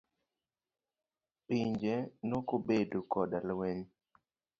Pinje nokobedo koda lweny.